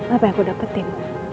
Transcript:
apa yang aku dapetin